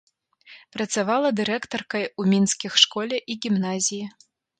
Працавала дырэктаркай у мінскіх школе і гімназіі.